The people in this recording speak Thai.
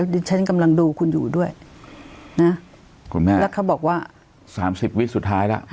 ดิฉันกำลังดูคุณอยู่ด้วยนะคุณแม่แล้วเขาบอกว่า๓๐วิสุดท้ายแล้ว